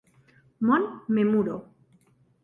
Mont Memuro